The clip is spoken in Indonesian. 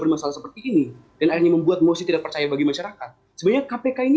berusaha seperti ini dan ini membuat mesti tidak percaya bagi masyarakat sebuah kpk ini